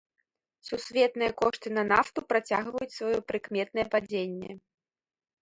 Сусветныя кошты на нафту працягваюць сваё прыкметнае падзенне.